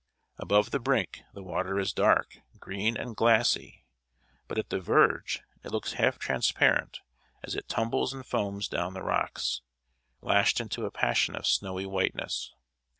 Above the brink, the water is dark, green, and glassy, but at the verge it looks half transparent, as it tumbles and foams down the rocks, lashed into a passion of snowy whiteness.